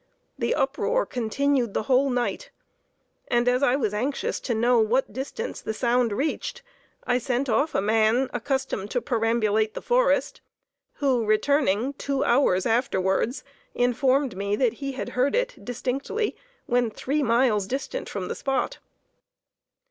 The uproar continued the whole night; and as I was anxious to know to what distance the sound reached, I sent off a man, accustomed to perambulate the forest, who, returning two hours afterwards, informed me he had heard it distinctly when three miles distant from the spot.